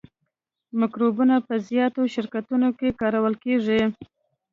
مکروبونه په زیاتو شرکتونو کې کارول کیږي.